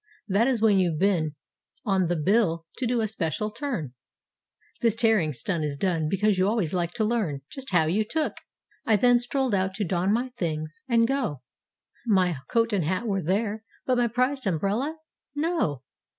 That is when you've been "on the bill" to do a special turn, (This tarrying stunt is done because you always like to learn Just "how you took") I then strolled out to don my things and go— My coat and hat were there—but my prized um¬ brella? No!